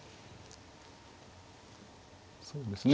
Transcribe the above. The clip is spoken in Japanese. そうですね